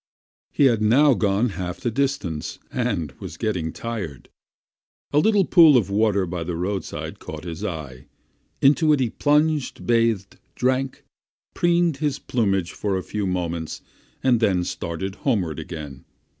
He had now gone half the distance, and was getting tired. A little pool of water by the roadside caught his eye. Into it he plunged, bathed, drank, preened his plumage for a few moments, and then started homeward again.